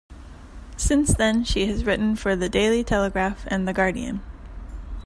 Since then she has written for "The Daily Telegraph" and "The Guardian".